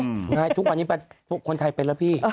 อย่างไรทุกวันนี้แป๊บคนไทยเป็นแล้วพี่